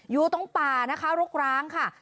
อยู่ตรงป่านะคะรกร้างค่ะ